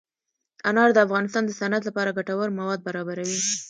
انار د افغانستان د صنعت لپاره ګټور مواد برابروي.